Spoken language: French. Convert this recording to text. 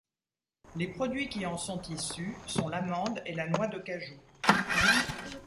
Les produits qui en sont issus sont l'amande et la noix de cajou.